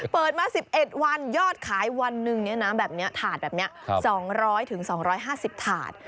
เปิดมา๑๑วันยอดขายวันหนึ่งแบบนี้ถาดแบบนี้๒๐๐๒๕๐ถาด